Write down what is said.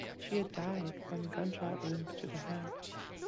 She had died from gunshot wounds to the head.